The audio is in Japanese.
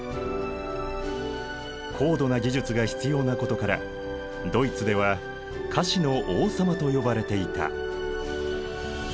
高度な技術が必要なことからドイツでは菓子の王様と呼ばれていた。